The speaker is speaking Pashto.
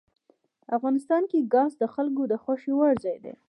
افغانستان کې ګاز د خلکو د خوښې وړ ځای دی.